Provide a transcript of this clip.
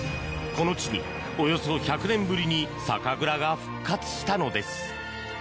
この地におよそ１００年ぶりに酒蔵が復活したのです。